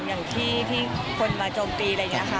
อย่างที่คนมาโทรพี่